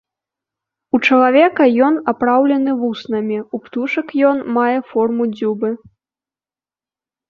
У чалавека ён апраўлены вуснамі, у птушак ён мае форму дзюбы.